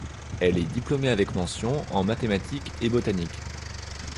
Elle est diplômée avec mentions en mathématiques et botanique.